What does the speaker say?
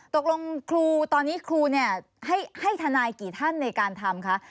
ตกลงครูตอนนี้ครูเนี่ยให้ทนายกี่ท่านในการทำคะ